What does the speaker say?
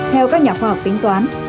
theo các nhà khoa học tính toán